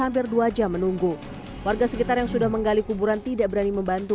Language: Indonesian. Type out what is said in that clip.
hampir dua jam menunggu warga sekitar yang sudah menggali kuburan tidak berani membantu